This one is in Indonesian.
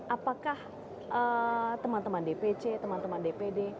apakah teman teman dpc teman teman dpd